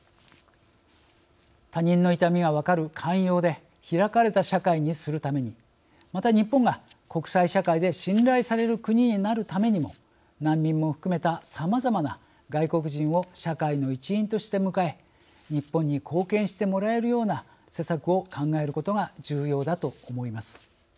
他人の痛みが分かる寛容で開かれた社会にするためにまた、日本が国際社会で信頼される国になるためにも難民も含めたさまざまな外国人を社会の一員として迎え日本に貢献してもらえるような施策を考えることが重要だと思います。